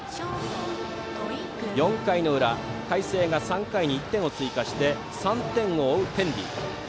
４回の裏、海星が３回に１点を追加して３点を追う天理。